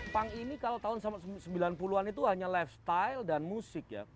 pang ini kalau tahun sembilan puluh an itu hanya lifestyle dan musik ya